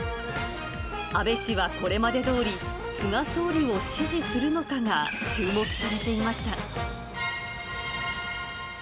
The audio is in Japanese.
安倍氏はこれまでどおり、菅総理を支持するのかが注目されていました。